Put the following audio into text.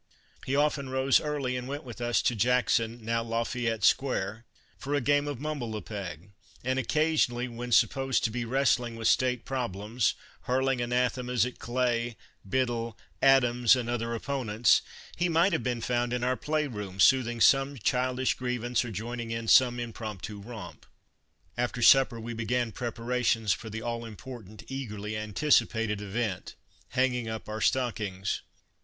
He often rose early and went with us to Jackson (now La Fayette) Square for a game of mumble the peg, and occasionally, when supposed to be wrestling with state problems, hurling anathemas at Clay, Biddle, Adams, and other opponents, he might have been found in our play room soothing some childish grievance or join ing in some impromptu romp. After supper we began preparations for the all important, eagerly anticipated event, hanging up our ;\r H\e White House in Old Hickorv',s bay stockings.